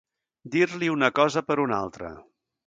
Dir-li una cosa per una altra.